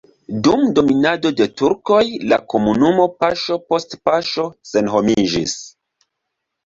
Dum dominado de turkoj la komunumo paŝo post paŝo senhomiĝis.